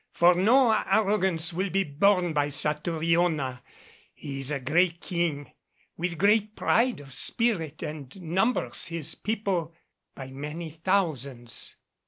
For no arrogance will be borne by Satouriona. He is a great King, with great pride of spirit, and numbers his people by many thousands."